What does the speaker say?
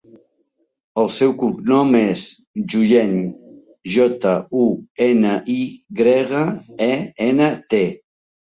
El seu cognom és Junyent: jota, u, ena, i grega, e, ena, te.